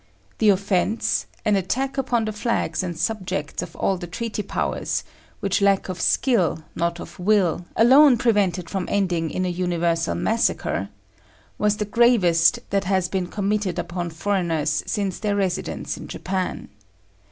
The offence an attack upon the flags and subjects of all the Treaty Powers, which lack of skill, not of will, alone prevented from ending in a universal massacre was the gravest that has been committed upon foreigners since their residence in Japan.